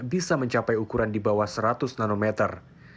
bisa mencapai ukuran di bawah seratus nanometer